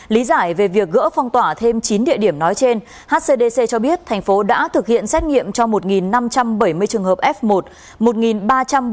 lý giải về việc gỡ phong tỏa thêm chín địa điểm nói trên hcdc cho biết thành phố đã thực hiện xét nghiệm cho một năm trăm bảy mươi trường hợp f một một ba trăm bảy mươi sáu trường hợp f hai